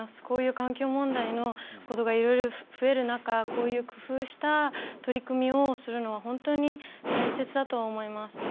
こういう環境問題のことがいろいろ増える中こういう工夫した取り組みをするのは本当に大切だと思います。